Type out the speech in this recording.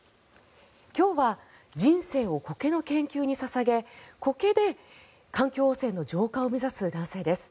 今日は人生をコケの研究に捧げコケで環境汚染の浄化を目指す男性です。